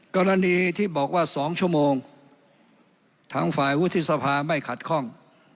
กรณีที่บอกว่า๒ชั่วโมงทางฝ่ายวุฒิสภาไม่ขัดข้อง